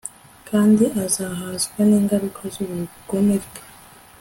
kandi azahazwa n'ingaruka z'ubugome bwe